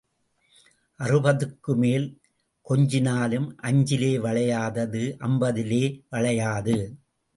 அறுபதுக்குமேல் கொஞ்சினாலும் அஞ்சிலே வளையாதது அம்பதிலே வளையாது.